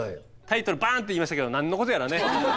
タイトルバンって言いましたけど何のことやらね？